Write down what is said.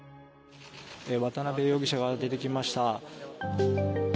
渡邉容疑者が出てきました。